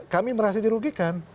kami merasa dirugikan